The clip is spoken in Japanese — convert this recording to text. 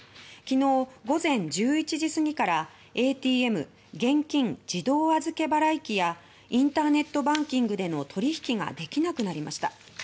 昨日午前１１時過ぎからＡＴＭ・現金自動預け払い機やインターネットバンキングでの取引ができなくなりました。